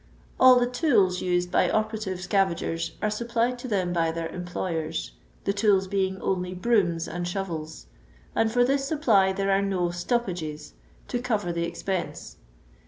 All the tooU used by operatifv scavagers are supplied to them by their employers — the tools beins^ only brooms and ehovels; and for this •upply there are no stoppa^ to cover the ex pense.